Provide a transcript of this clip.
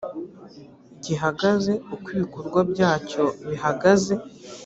gihagaze uko ibikorwa byacyo bihagaze